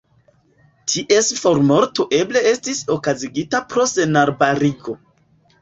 Ties formorto eble estis okazigita pro senarbarigo.